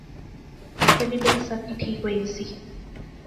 بلی بلی سب کی ٹھیک ہوئی ایسی